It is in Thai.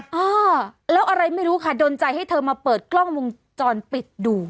อ่าแล้วอะไรไม่รู้ค่ะดนใจให้เธอมาเปิดกล้องวงจรปิดดู